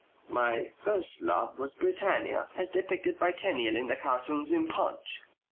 "My first love was Britannia as depicted by Tenniel in the cartoons in PUNCH.